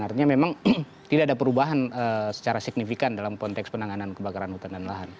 artinya memang tidak ada perubahan secara signifikan dalam konteks penanganan kebakaran hutan dan lahan